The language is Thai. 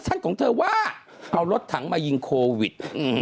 ของเธอว่าเอารถถังมายิงโควิด